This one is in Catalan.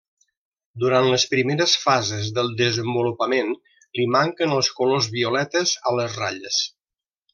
Durant les primeres fases del desenvolupament li manquen els colors violetes a les ratlles.